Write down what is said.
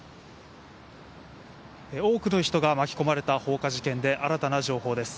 多くの人が巻き込まれた放火事件で新たな情報です。